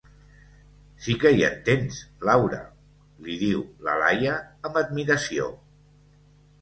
Si que hi entens, Laura —li diu la Laia amb admiració—.